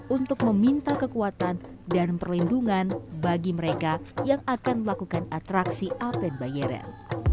untuk meminta kekuatan dan perlindungan bagi mereka yang akan melakukan atraksi apen bayaran